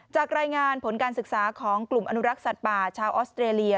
รายงานผลการศึกษาของกลุ่มอนุรักษ์สัตว์ป่าชาวออสเตรเลีย